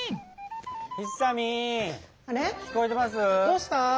どうした？